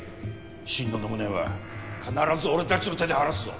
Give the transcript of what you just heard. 心野の無念は必ず俺たちの手で晴らすぞ！